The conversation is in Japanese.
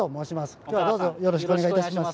今日はどうぞよろしくお願いいたします。